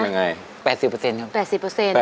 ๘๐ครับ